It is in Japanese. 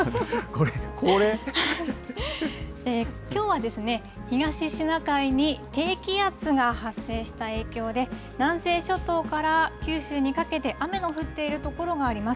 きょうは、東シナ海に低気圧が発生した影響で、南西諸島から九州にかけて、雨の降っている所があります。